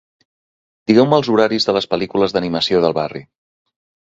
Digueu-me els horaris de les pel·lícules d'animació del barri.